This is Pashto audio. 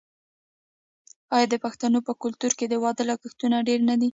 آیا د پښتنو په کلتور کې د واده لګښتونه ډیر نه وي؟